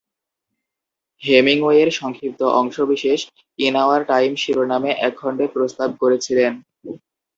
হেমিংওয়ের সংক্ষিপ্ত অংশ বিশেষ "ইন আওয়ার টাইম" শিরোনামে এক খণ্ডে প্রস্তাব করেছিলেন।